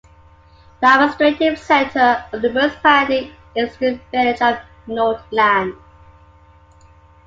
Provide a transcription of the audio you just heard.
The administrative centre of the municipality is the village of Nodeland.